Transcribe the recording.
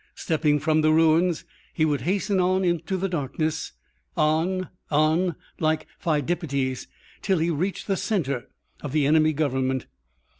Stepping from the ruins, he would hasten on in the darkness, on, on, like Pheidippides, till he reached the centre of the enemy government.